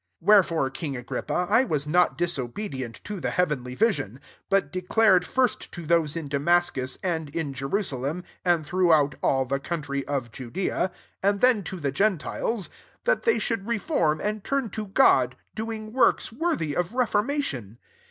19 Wherefore, king A grip pa, I was not disobedient to the heavenly vision : 20 but declar ed, first to those in Damascus, and in Jerusalem, and through out all the country of Judea, and then to the gentiles, that they should reform and turn to God, doing works worthy of reformation.